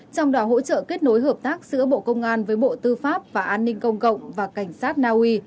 trong đó hỗ trợ kết nối hợp tác giữa bộ công an với bộ tư pháp và an ninh công cộng và cảnh sát naui